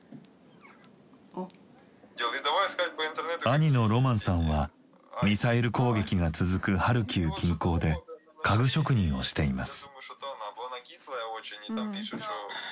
兄のロマンさんはミサイル攻撃が続くハルキウ近郊で家具職人をしています。